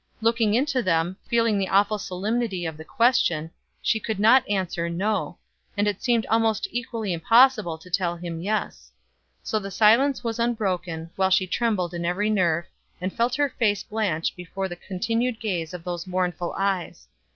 Looking into them, feeling the awful solemnity of the question, she could not answer "No;" and it seemed almost equally impossible to tell him "Yes." So the silence was unbroken, while she trembled in every nerve, and felt her face blanch before the continued gaze of those mournful eyes.